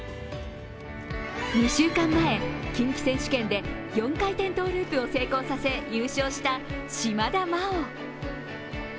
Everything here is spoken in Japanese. ２週間前、近畿選手権で４回転トゥループを成功させ優勝した島田麻央。